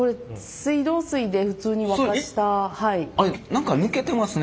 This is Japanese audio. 何か抜けてますね